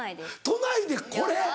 都内でこれ？